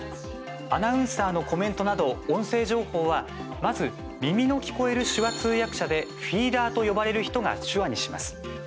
アナウンサーのコメントなど音声情報はまず、耳の聞こえる手話通訳者でフィーダーと呼ばれる人が手話にします。